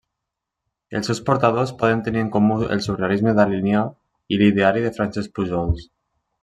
Els seus portadors poden tenir en comú el surrealisme dalinià i l'ideari de Francesc Pujols.